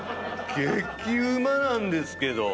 激うまなんですけど！